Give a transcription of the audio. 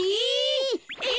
え！